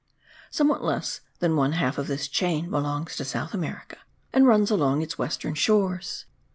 Somewhat less than one half of this chain belongs to South America, and runs along its western shores.